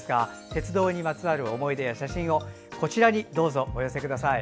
鉄道にまつわる思い出や写真をこちらにお寄せください。